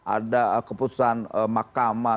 ada keputusan makamah